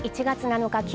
１月７日